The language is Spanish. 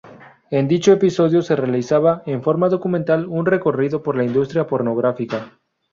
En dicho episodio se realizaba, en forma documental, un recorrido por la industria pornográfica.